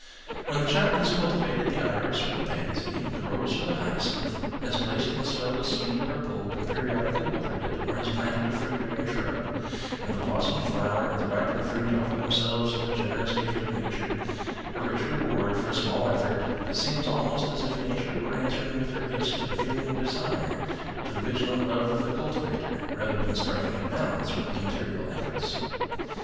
When the child has cultivated the iris or the pansy, the rose or the hyacinth, has placed in the soil a seed or a bulb and periodically watered it, or has planted a fruit bearing shrub, and the blossomed flower and the ripened fruit offer themselves as a generous gift of nature, a rich reward for a small effort; it seems almost as if nature were answering with her gifts to the feeling of desire, to the vigilant love of the cultivator, rather than striking a balance with his material efforts.